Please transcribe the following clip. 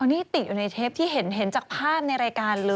นี่ติดอยู่ในเทปที่เห็นจากภาพในรายการเลย